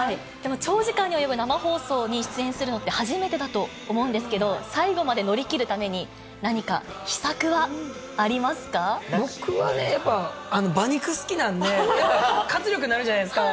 長時間に及ぶ生放送に出演するのって、初めてだと思うんですけど、最後まで乗り切るために、僕はね、やっぱ馬肉好きなんで、活力になるじゃないですか。